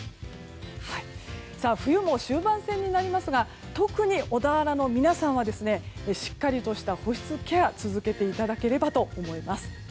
冬も終盤戦になりますが特に、小田原の皆さんはしっかりとした保湿ケア続けていただければと思います。